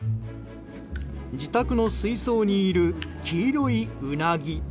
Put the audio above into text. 自宅の水槽にいる黄色いウナギ。